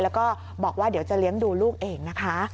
แล้วก็บอกว่าเดี๋ยวจะเลี้ยงดูลูกเองนะคะ